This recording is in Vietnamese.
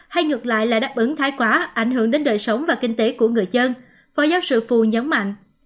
hay ngược lại là đáp ứng thái quá ảnh hưởng đến đời sống và kinh tế của người dân phó giáo sư phù nhấn mạnh